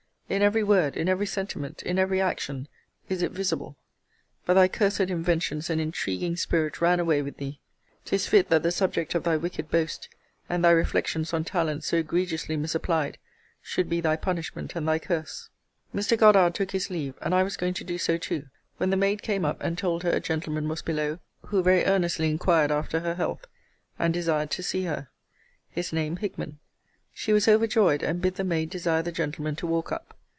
In every word, in every sentiment, in every action, is it visible. But thy cursed inventions and intriguing spirit ran away with thee. 'Tis fit that the subject of thy wicked boast, and thy reflections on talents so egregiously misapplied, should be thy punishment and thy curse. Mr. Goddard took his leave; and I was going to do so too, when the maid came up, and told her a gentleman was below, who very earnestly inquired after her health, and desired to see her: his name Hickman. She was overjoyed; and bid the maid desire the gentleman to walk up.